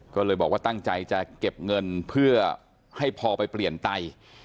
ก็เลยบอกว่าตั้งใจจะเก็บเงินเพื่อให้พอไปเปลี่ยนไต